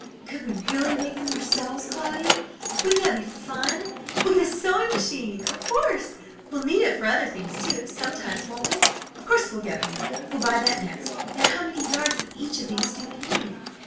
"Could we really make them ourselves, Cloudy? Wouldn't that be fun? We'll get a sewing machine, of course. We'll need it for other things, too, sometimes, won't we? Of course we'll get one. We'll buy that next. Now, how many yards of each of these do we need?"